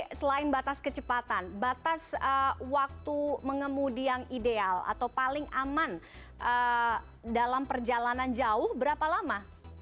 jadi tadi selain batas kecepatan batas waktu pengemudi yang ideal atau paling aman dalam perjalanan jauh berapa lama